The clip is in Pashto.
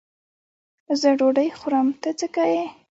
زه ډوډۍ خورم؛ ته څه که یې.